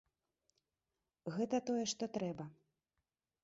Гэта тое, што трэба.